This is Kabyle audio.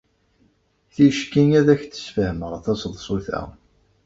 Ticki ad ak-d-sfehmeɣ taseḍsut-a.